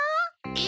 え